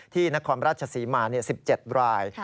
ที่นครราชสีมา๑๗ราย